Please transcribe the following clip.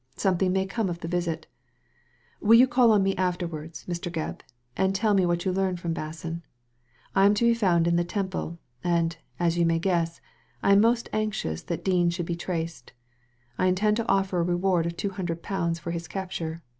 "Something may come of the visit. Will you call on me afterwards, Mr. Gebb, and tell me what you learn from Basson ? I am to be found in the Temple, and, as you may guess, I am most anxious that Dean should be traced I intend to offer a reward of two hundred pounds for his capture.